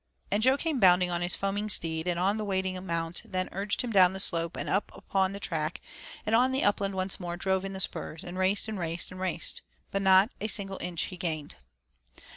And Jo came bounding on his foaming steed, and on the waiting mount, then urged him down the slope and up upon the track, and on the upland once more drove in the spurs, and raced and raced, and raced, but not a single inch he gained.